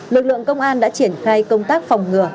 lực lượng công an đã triển khai công tác phòng ngừa